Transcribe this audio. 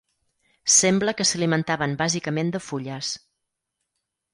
Sembla que s'alimentaven bàsicament de fulles.